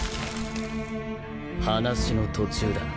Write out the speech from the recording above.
話の途中だ。